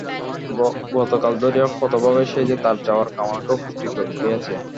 কতকাল ধরিয়া কতভাবে সে যে তার যাওয়ার কামনাকে পুষ্ট করিয়াছে?